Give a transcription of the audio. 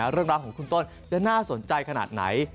เรื่องราวของคุณต้นจะน่าสนใจขนาดไหน